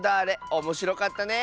おもしろかったね！